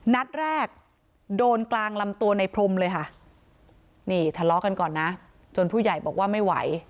นัดแรกโดนกลางลำตัวในพรมเลยค่ะนี่ทะเลาะกันก่อนนะจนผู้ใหญ่บอกว่าไม่ไหว